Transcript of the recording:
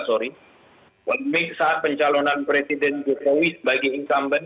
saat pencalonan presiden jokowi sebagai incumbent